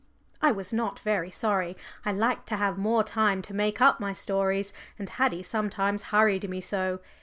I was not very sorry. I liked to have more time to make up my stories, and Haddie sometimes hurried me so.